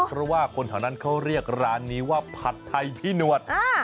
เพราะว่าคนแถวนั้นเขาเรียกร้านนี้ว่าผัดไทยพี่หนวด